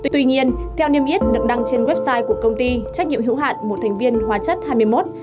tuy nhiên theo niêm yết được đăng trên website của công ty trách nhiệm hữu hạn một thành viên hóa chất hai mươi một